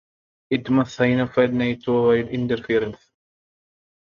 It must sign off at night to avoid interference.